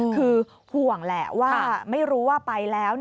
คือห่วงแหละว่าไม่รู้ว่าไปแล้ว